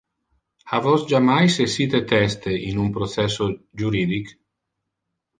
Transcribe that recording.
Ha vos jammais essite teste in un processo juridic?